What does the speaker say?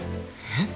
えっ？